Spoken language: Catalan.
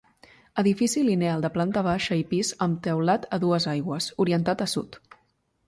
Edifici lineal de planta baixa i pis amb teulat a dues aigües, orientat a sud.